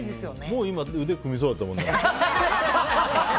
もう今腕組みそうだったもんね。